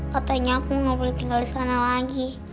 katanya aku nggak boleh tinggal di sana lagi